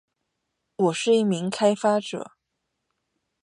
我是一名开发者